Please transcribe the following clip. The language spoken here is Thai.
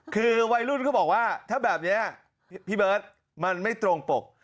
คือวัยรุ่นเขาบอกว่าถ้าแบบนี้พี่เบิร์ตมันไม่ตรงปก